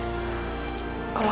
aku akan tetap mencari diri